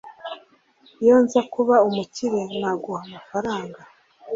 iyo nza kuba umukire, naguha amafaranga